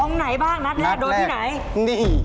ร้องไหนบ้างนัดแรกโดนที่ไหนโดนที่ไหนนี่